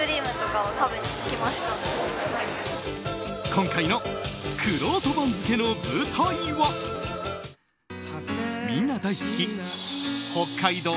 今回のくろうと番付の舞台はみんな大好き北海道